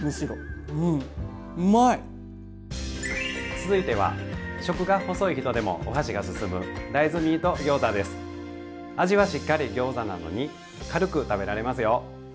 続いては食が細い人でもお箸が進む味はしっかりギョーザなのに軽く食べられますよ。